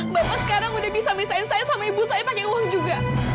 bapak sekarang udah bisa misahin saya sama ibu saya pakai uang juga